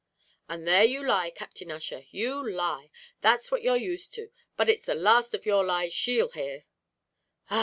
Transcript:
"And there you lie, Captain Ussher! you lie that's what you're used to! but it's the last of your lies she'll hear." "Ah!